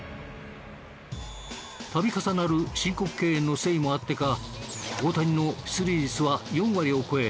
度重なる申告敬遠のせいもあってか大谷の出塁率は４割を超え